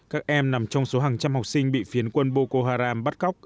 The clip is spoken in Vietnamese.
các em nằm trong số hàng trăm học sinh bị phiến quân boko haram bắt cóc